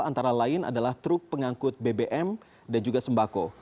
antara lain adalah truk pengangkut bbm dan juga sembako